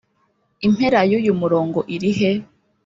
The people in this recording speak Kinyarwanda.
impera yuyu murongo irihe?